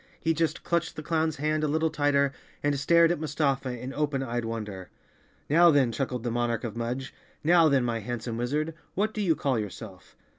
He just clutched the clown's hand a little tighter and stared at Mustafa in open eyed wonder. "Now then," chuckled the monarch of Mudge, "now then, my handsome wizard, what do you call yourself?"